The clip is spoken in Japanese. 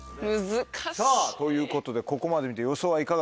さぁということでここまで見て予想はいかがでしょうか？